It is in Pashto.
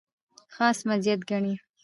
خاص مزیت ګڼي.